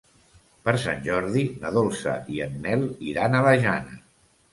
Per Sant Jordi na Dolça i en Nel iran a la Jana.